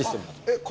えっ？